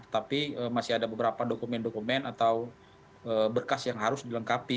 tapi masih ada beberapa dokumen dokumen atau berkas yang harus dilengkapi